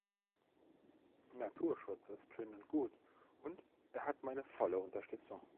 Naturschutz ist schön und gut, und er hat meine volle Unterstützung.